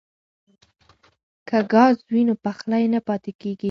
که ګاز وي نو پخلی نه پاتې کیږي.